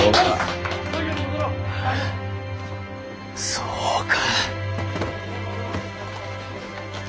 そうか。